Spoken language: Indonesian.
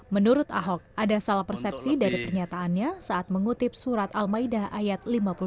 menurut ahok ada salah persepsi dari pernyataannya saat mengutip surat al maidah ayat lima puluh satu